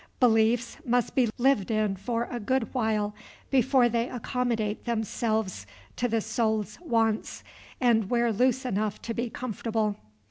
Beliefs must be lived in for a good while, before they accommodate themselves to the soul's wants, and wear loose enough to be comfortable.